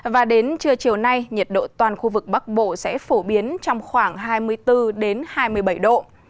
và đến trưa chiều nay nhiệt độ toàn khu vực bắc bộ sẽ phổ biến trong khoảng hai mươi bốn hai mươi bảy độ